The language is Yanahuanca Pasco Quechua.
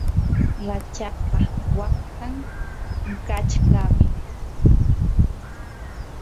rachakpa waqtan qachqami.